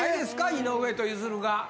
井上とゆずるが。